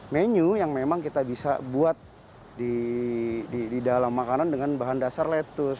menu yang memang kita bisa buat di dalam makanan dengan bahan dasar lettuce